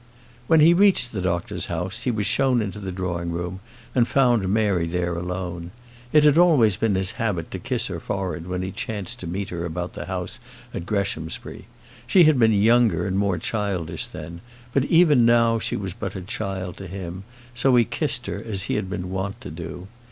When he reached the doctor's house, he was shown into the drawing room, and found Mary there alone. It had always been his habit to kiss her forehead when he chanced to meet her about the house at Greshamsbury. She had been younger and more childish then; but even now she was but a child to him, so he kissed her as he had been wont to do.